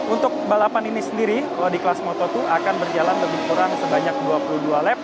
untuk balapan ini sendiri kalau di kelas moto dua akan berjalan lebih kurang sebanyak dua puluh dua lap